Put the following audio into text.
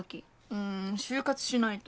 うん就活しないと。